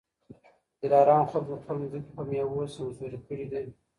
د دلارام خلکو خپلي مځکې په میوو سمسوري کړي دي